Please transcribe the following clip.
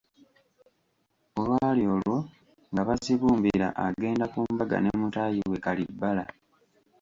Olwali olwo, nga Bazibumbira agenda ku mbaga ne mutaayi we Kalibbala.